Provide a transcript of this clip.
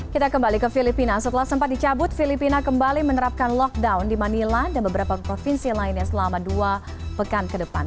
kita kembali ke filipina setelah sempat dicabut filipina kembali menerapkan lockdown di manila dan beberapa provinsi lainnya selama dua pekan ke depan